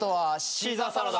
シーザーサラダ。